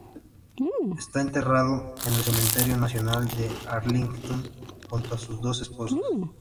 Está enterrado en el Cementerio Nacional de Arlington, junto a sus dos esposas.